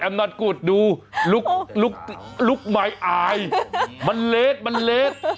มันเลสมันเลส